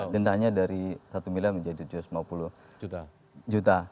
dendanya dari satu miliar menjadi tujuh ratus lima puluh juta